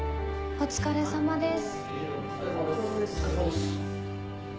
お疲れさまです。